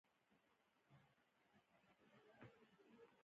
دا په موسساتو کې د شمولیت حالت هم دی.